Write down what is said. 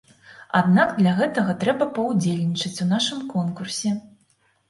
Аднак для гэтага трэба паўдзельнічаць у нашым конкурсе.